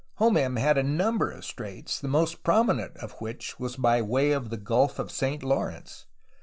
Homem had a number of straits, the most prominent of which was by way of the Gulf of St. Lawrence.